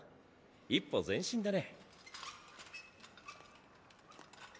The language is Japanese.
一歩前進だね。